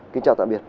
kính chào tạm biệt